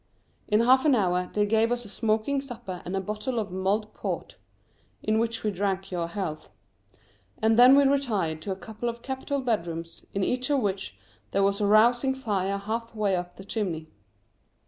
In half an hour they gave us a smoking supper and a bottle of mulled port (in which we drank your health), and then we retired to a couple of capital bedrooms, in each of which there was a rousing fire halfway up the chimney.